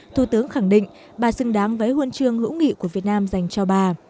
thủ tướng khẳng định bà xứng đáng với huân chương hữu nghị của việt nam dành cho bà